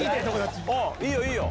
いいよ、いいよ。